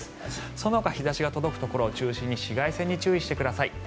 そのほか日差しが届くところを中心に紫外線に注意してください。